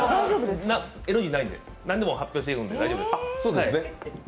ＮＧないんで、何でも発表していくので、大丈夫です。